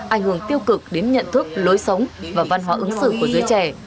ảnh hưởng tiêu cực đến nhận thức lối sống và văn hóa ứng xử của giới trẻ